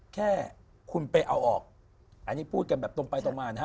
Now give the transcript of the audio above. แค่คุณไปเอาออกอันนี้พูดกันแบบตรงไปตรงมานะฮะ